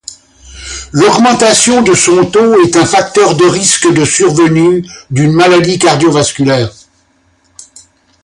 L'augmentation de son taux est un facteur de risque de survenue d'une maladie cardio-vasculaire.